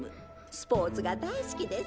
スポーツが大好きです。